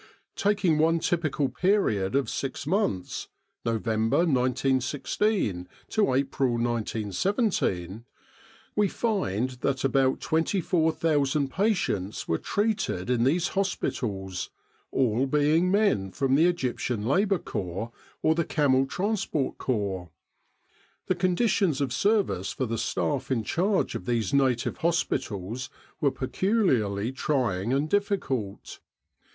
Taking one typical period of six months November, 1916, to April, 1917 we find that about 24,000 patients were treated in these hospitals, all being men from the Egyptian Labour Corps or the Camel Transport Corps. The conditions of service for the staff in charge of these native hospitals were pecu liarly trying and difficult.